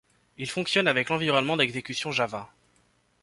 Il fonctionne avec l'environnement d'exécution Java.